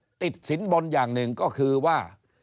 ติดสินบนอย่างหนึ่งก็คือว่า